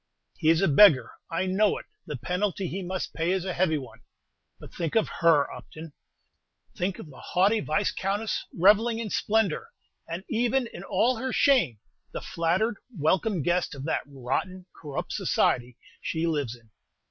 "He is a beggar: I know it; the penalty he must pay is a heavy one. But think of her, Upton, think of the haughty Viscountess, revelling in splendor, and, even in all her shame, the flattered, welcomed guest of that rotten, corrupt society she lives in.